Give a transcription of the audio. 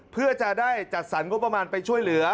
เพื่อจะได้จัดสรรงบประมาณไปช่วยเหลือ